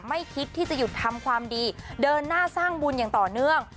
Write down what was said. ไม่คิดที่จะหยุดทำความดีเดินหน้าสร้างบุญอย่างต่อเนื่อง